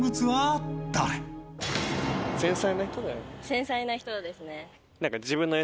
繊細な人ですね。